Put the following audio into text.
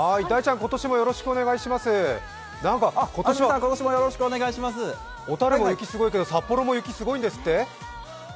今年は小樽の雪すごいですけど、札幌も雪、すごいんですって？